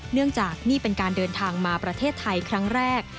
เนื่องจากนี่เป็นการเดินทางมาประเทศไทยครั้งแรก